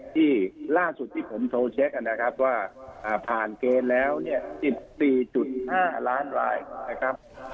ที่ล่าสุดที่ผมโทรเช็คนะครับว่าผ่านเกณฑ์แล้วเนี่ย๑๔๕ล้านรายนะครับ